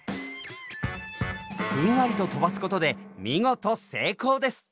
ふんわりと飛ばすことで見事成功です。